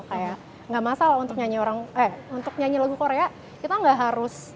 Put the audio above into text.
kayak gak masalah untuk nyanyi orang eh untuk nyanyi lagu korea kita nggak harus